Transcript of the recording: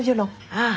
ああ！